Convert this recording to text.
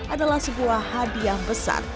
adalah sebuah hadiah besar